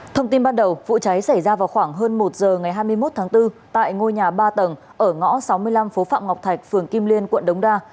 thông tin ban đầu vụ cháy xảy ra vào khoảng hơn một giờ ngày hai mươi một tháng bốn tại ngôi nhà ba tầng ở ngõ sáu mươi năm phố phạm ngọc thạch phường kim liên quận đống đa